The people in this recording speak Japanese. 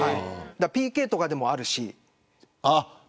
ＰＫとかでもあるし。